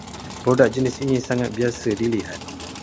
Produk jenis ini sangat biasa dilihat